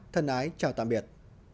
thân ái chào tạm biệt